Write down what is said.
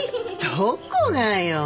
どこがよ。